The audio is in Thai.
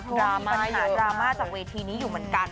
มีปัญหาดราม่าจากเวทีนี้อยู่เหมือนกัน